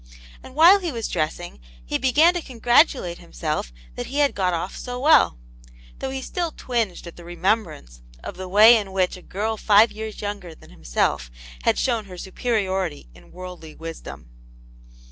And while he was dressing he began to congratulate himself that he had got off so well, though he still twinged at the remembrance of the way in which a girl five years younger than himself had shown her superiority in worldly wisdom.